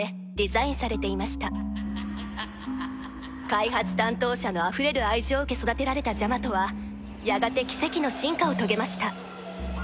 開発担当者のあふれる愛情を受け育てられたジャマトはやがて奇跡の進化を遂げました